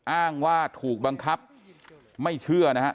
อ้างว่าถูกบังคับไม่เชื่อนะฮะ